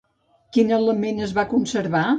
Quin element es va conservar?